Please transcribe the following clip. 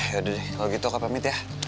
yaudah kalau gitu aku pamit ya